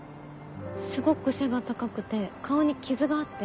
すごく背が高くて顔に傷があって。